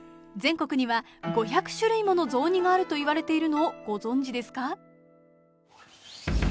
全国には５００種類もの雑煮があるといわれているのをご存じですか？